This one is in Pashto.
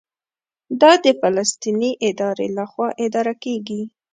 دا د فلسطیني ادارې لخوا اداره کېږي.